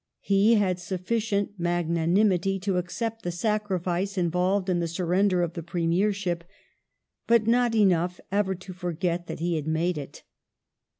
He had sufficient magnanimity to accept the sacrifice involved in the sun ender of the Premiership, but not enough ever to forget that he had made it.